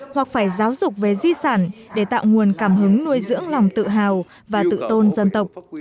hoặc phải giáo dục về di sản để tạo nguồn cảm hứng nuôi dưỡng lòng tự hào và tự tôn dân tộc